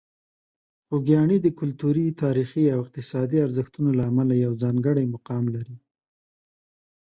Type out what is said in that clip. خوږیاڼي د کلتوري، تاریخي او اقتصادي ارزښتونو له امله یو ځانګړی مقام لري.